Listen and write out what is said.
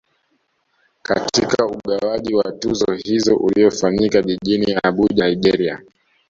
Katika ugawaji wa tuzo hizo uliofanyika jijini Abuja Nigeria